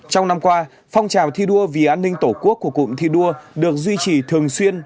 trong năm qua phong trào thi đua vì an ninh tổ quốc của cụm thi đua được duy trì thường xuyên